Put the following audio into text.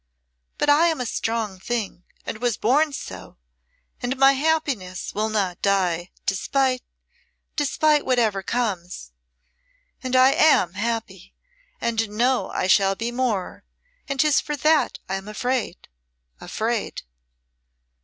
But I am a strong thing, and was born so, and my happiness will not die, despite despite whatsoever comes. And I am happy, and know I shall be more; and 'tis for that I am afraid afraid."